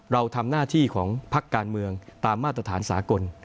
เราทำหน้าที่ของพักการเมืองตามมาตรฐานสากล